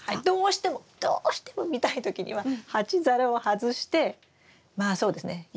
どうしてもどうしても見たい時には鉢皿を外してまあそうですね